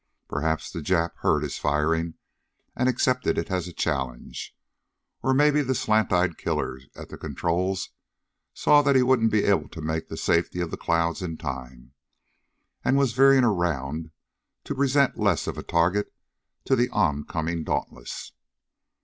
Perhaps the Japs heard his firing and accepted it as a challenge. Or maybe the slant eyed killer at the controls saw that he wouldn't be able to make the safety of the clouds in time, and was veering around to present less of a target to the oncoming Dauntless.